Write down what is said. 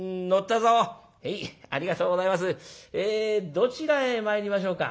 どちらへ参りましょうか」。